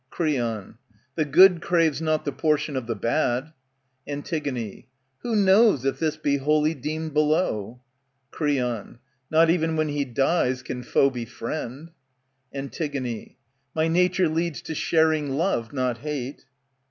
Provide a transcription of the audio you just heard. Creon, The good craves not the portion of the bad. '^^ Antig, Who knows if this be holy deemed below ? Creon, Not even when he dies can foe be friend. Antig^ My nature leads to sharing love, not hate.